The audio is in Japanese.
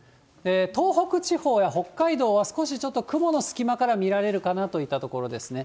東北地方や北海道は少しちょっと雲の隙間から見られるかなといったところですね。